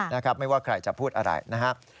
นะครับไม่ว่าใครจะพูดอะไรนะครับ